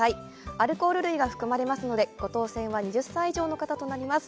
アルコール類が含まれますので、ご当せんは２０歳以上の方となります。